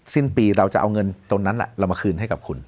สิ้นปีเราจะเอาเงินตรงนั้นเรามาคืนให้กับคุณ